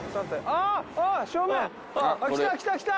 あっ来た来た来た！